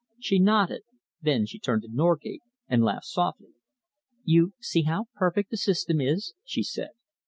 She nodded. Then she turned to Norgate and laughed softly. "You see how perfect the system is," she said.